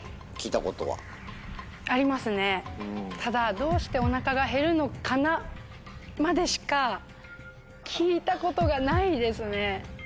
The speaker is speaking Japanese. ただ「どうしておなかがへるのかな」までしか聞いたことがないですね。